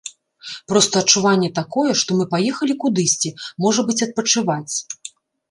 Проста адчуванне такое, што мы паехалі кудысьці, можа быць, адпачываць.